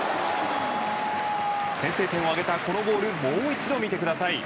先制点を挙げた、このゴールもう一度見てください。